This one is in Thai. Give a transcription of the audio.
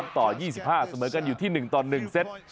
ต่อ๒๕เสมอกันอยู่ที่๑ต่อ๑เซต